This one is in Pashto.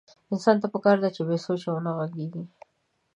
انسان ته پکار ده بې سوچه ونه غږېږي.